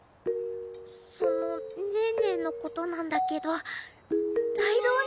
そのねーねーのことなんだけどライドウ